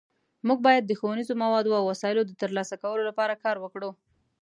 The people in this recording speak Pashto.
مونږ باید د ښوونیزو موادو او وسایلو د ترلاسه کولو لپاره کار وکړو